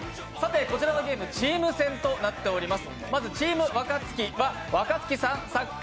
こちらのゲーム、チーム戦となっています。